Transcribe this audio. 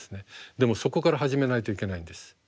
でもそこから始めないといけないんです。